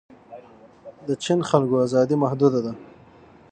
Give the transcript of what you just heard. د چین خلکو ازادي محدوده ده.